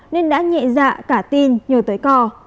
nên đã nhẹ dạ cả tin nhờ tới cò